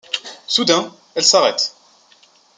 Soudain, elle s’arrête...